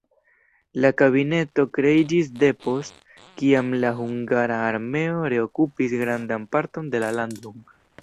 La kabineto kreiĝis depost kiam la hungara armeo reokupis grandan parton de la lando.